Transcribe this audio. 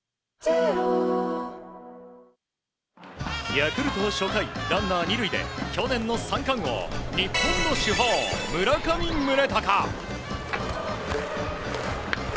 ヤクルトは初回ランナー２塁で去年の三冠王、日本の主砲村上宗隆。